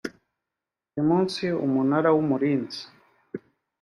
buri munsi umunara w umurinzi